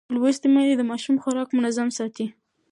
لوستې میندې د ماشوم خوراک منظم ساتي.